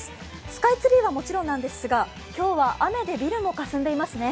スカイツリーはもちろんなんですが、今日は雨でビルも霞んでますね。